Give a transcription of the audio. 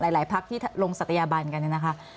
หลายพักที่ลงสัตยาบันกันนะคะ